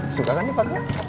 suka kan di padnya